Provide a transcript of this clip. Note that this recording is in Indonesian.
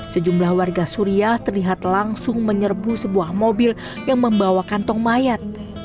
sejumlah warga suriah terlihat langsung menyerbu sebuah mobil yang membawa kantong mayat